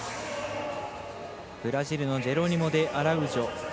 ブラジルのジェロニモデアラウジョ。